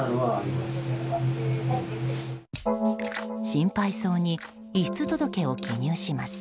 心配そうに遺失届を記入します。